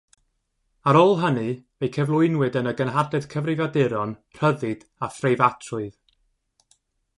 Ar ôl hynny fe'i cyflwynwyd yn y gynhadledd Cyfrifiaduron, Rhyddid a Phreifatrwydd.